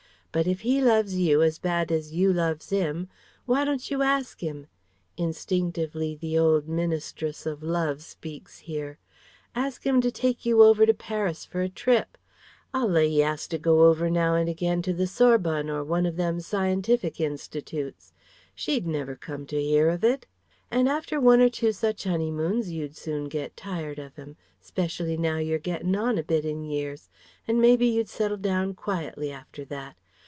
But if he loves you as bad as you loves 'im, why don't you ask him" (instinctively the old ministress of love speaks here) "ask 'im to take you over to Paris for a trip? I'll lay 'e 'as to go over now'n again to the Sorbonne or one of them scientific institutes. She'd never come to 'ear of it. An' after one or two such honeymoons you'd soon get tired of 'im, specially now you're gettin' on a bit in years, and may be you'd settle down quietly after that.